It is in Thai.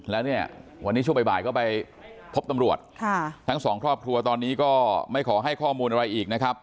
แล้วเนี่ยวันนี้ช่วงบ่ายก็ไปพบตำรวจทั้งสองครอบครัวตอนนี้ก็ไม่ขอให้ข้อมูลอะไรอีกนะครับ